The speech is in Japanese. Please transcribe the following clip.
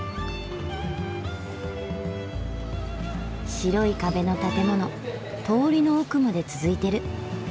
白い壁の建物通りの奥まで続いてる。